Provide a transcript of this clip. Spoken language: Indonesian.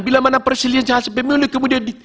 bila mana presiden dan wakil presiden